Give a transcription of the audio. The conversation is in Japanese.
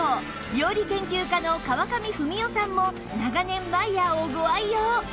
料理研究家の川上文代さんも長年マイヤーをご愛用